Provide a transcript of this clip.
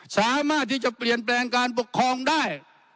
สามารถที่จะเปลี่ยนแปลงการปกครองได้